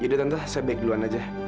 tante saya baik duluan aja